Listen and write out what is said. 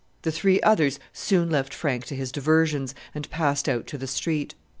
The three others soon left Frank to his diversions, and passed out to the street.